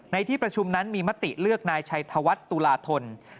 ที่ประชุมนั้นมีมติเลือกนายชัยธวัฒน์ตุลาธน